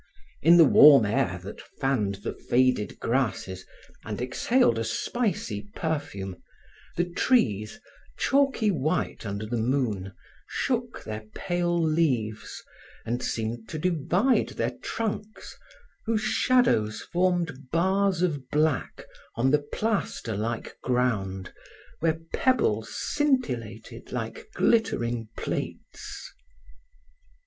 In the warm air that fanned the faded grasses and exhaled a spicy perfume, the trees, chalky white under the moon, shook their pale leaves, and seemed to divide their trunks, whose shadows formed bars of black on the plaster like ground where pebbles scintillated like glittering plates.